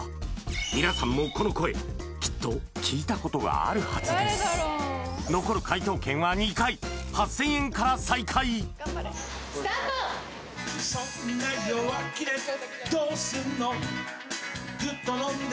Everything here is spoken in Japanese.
皆さんもこの声きっと聞いたことがあるはずです残る解答権は２回８０００円から再開嘘でしょ